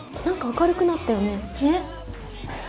何か明るくなったよね？